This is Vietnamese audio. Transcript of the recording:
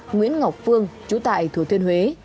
nguyễn ngọc phương chú tại thứa thiên huế